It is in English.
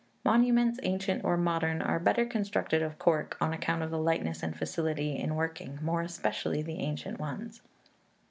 Monuments, ancient or modern, are better constructed of cork, on account of the lightness and facility in working, more especially the ancient ones.